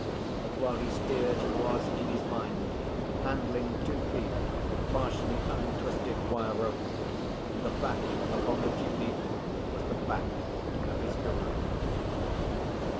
But while he steered he was, in his mind, handling two feet of partially untwisted wire rope; and the back upon which he beat was the back of his guru.